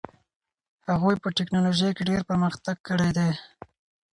هغوی په ټیکنالوژۍ کې ډېر پرمختګ کړی دي.